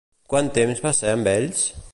Quant temps va ser amb ells?